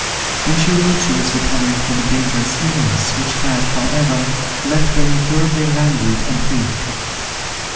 When she wrote she was recovering from a dangerous illness, which had, however, left her incurably languid and weak.